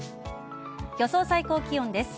予想最高気温です。